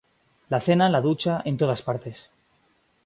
la cena, la ducha, en todas partes.